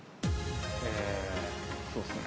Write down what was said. えそうですね。